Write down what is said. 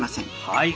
はい。